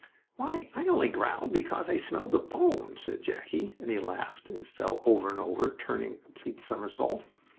"Why, I only growled because I smelled a bone," said Jackie, and he laughed, and fell over and over, turning a complete somersault.